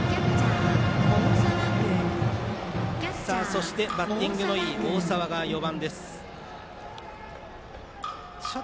そして、バッティングのいい大澤が４番です。